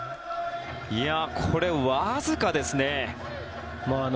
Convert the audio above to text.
これ、わずかですね。